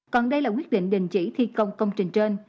còn đây là quyết định đình chỉ thi công công trình trên